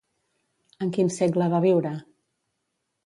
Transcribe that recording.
En quin segle va viure?